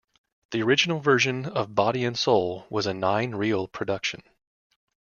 The original version of "Body and Soul" was a nine-reel production.